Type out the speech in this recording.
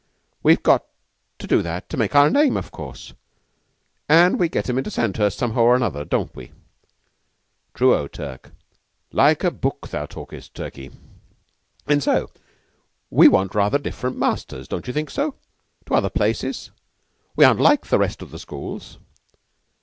We've got to do that to make our name, of course, and we get 'em into Sandhurst somehow or other, don't we?" "True, O Turk. Like a book thou talkest, Turkey." "And so we want rather different masters, don't you think so, to other places? We aren't like the rest of the schools."